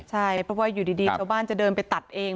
ใช่เพราะว่าอยู่ดีชาวบ้านจะเดินไปตัดเอง